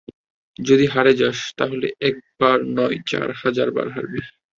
যদি হারে যাস, তাহলে, একবার নয় চার হাজার বার হারবি।